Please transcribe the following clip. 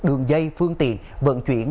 đường dây phương tiện vận chuyển